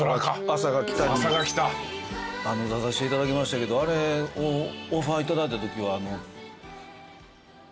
『あさが来た』出させていただきましたけどあれをオファー頂いたときは。